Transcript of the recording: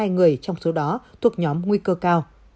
một hai trăm hai mươi hai người trong số đó thuộc nhóm nguy cơ cao